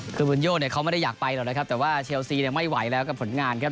คือบุญโย่เนี่ยเขาไม่ได้อยากไปหรอกนะครับแต่ว่าเชลซีเนี่ยไม่ไหวแล้วกับผลงานครับ